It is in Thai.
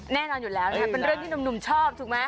แน่นอนอยู่แล้วเป็นเรื่องที่หนุ่มชอบถูกไหม